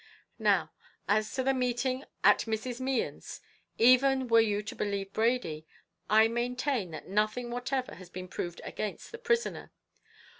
Now, as to the meeting at Mrs. Mehan's, even were you to believe Brady, I maintain that nothing whatever has been proved against the prisoner.